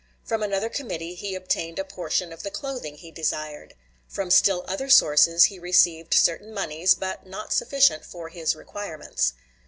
From another committee he obtained a portion of the clothing he desired. From still other sources he received certain moneys, but not sufficient for his requirements.